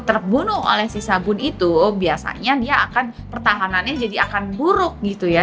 dan ketika terbunuh oleh si sabun itu biasanya dia akan pertahanannya jadi akan buruk gitu ya